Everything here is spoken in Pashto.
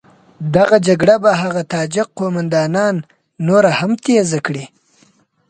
دغه جګړه به هغه تاجک قوماندانان نوره هم تېزه کړي.